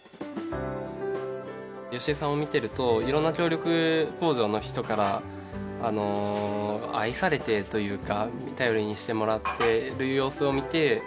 好江さんを見てると色んな協力工場の人から愛されているというか頼りにしてもらってる様子を見て。